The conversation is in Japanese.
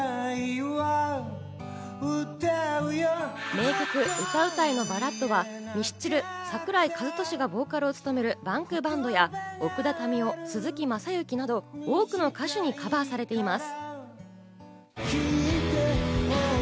名曲『歌うたいのバラッド』は、ミスチル・桜井和寿がボーカルを務めるＢａｎｋＢａｎｄや、奥田民生、鈴木雅之などの多くの歌手にカバーされています。